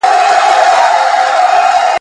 ستا له نوم سره گنډلي ورځي شپې دي `